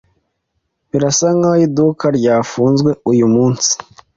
Birasa nkaho iduka ryafunzwe uyu munsi.